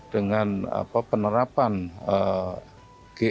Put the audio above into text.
dengan penerapan grc yang lebih